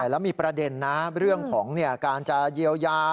แล้วมีประเด็นนะเรื่องของการจะเยียวยา